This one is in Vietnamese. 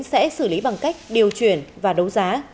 sẽ xử lý bằng cách điều chuyển và đấu giá